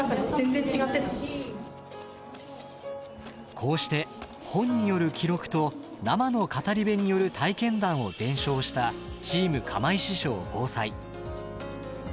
こうして本による記録と生の語り部による体験談を伝承したｔｅａｍ釜石小ぼうさい。